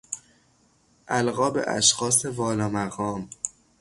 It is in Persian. القاب اشخاص والا مقام